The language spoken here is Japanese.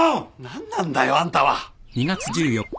何なんだよあんたは。